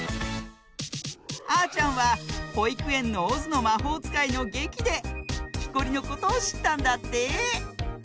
あーちゃんはほいくえんの「オズのまほうつかい」のげきできこりのことをしったんだって。